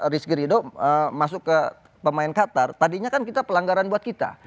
rizky ridho masuk ke pemain qatar tadinya kan kita pelanggaran buat kita